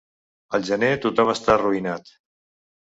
Al gener tothom està arruïnat.